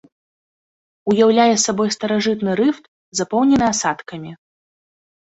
Уяўляе сабой старажытны рыфт, запоўнены асадкамі.